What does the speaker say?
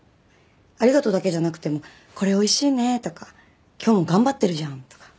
「ありがとう」だけじゃなくても「これ美味しいね」とか「今日も頑張ってるじゃん」とか。